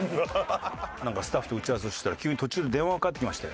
スタッフと打ち合わせをしてたら急に途中で電話がかかってきまして。